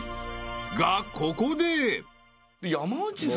［がここで］